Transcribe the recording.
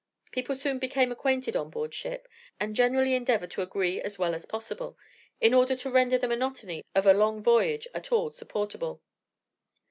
People soon become acquainted on board ship, and generally endeavour to agree as well as possible, in order to render the monotony of a long voyage at all supportable.